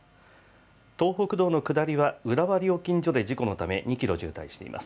東北道の下りは浦和料金所で事故のため、２キロ渋滞しています。